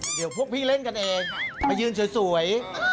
เดี๋ยวพวกพี่เล่นกันเองมายืนสวย